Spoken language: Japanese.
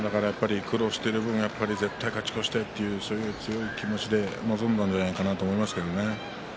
苦労している分絶対に勝ち越したいというそういう強い気持ちで臨んだんじゃないかなと思いますね。